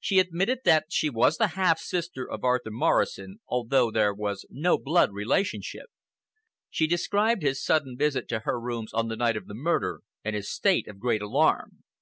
She admitted that she was the half sister of Arthur Morrison, although there was no blood relationship. She described his sudden visit to her rooms on the night of the murder, and his state of great alarm.